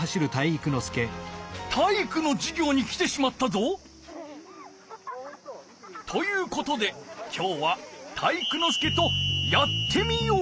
体育のじゅぎょうに来てしまったぞ。ということで今日は体育ノ介と「やってみよう！」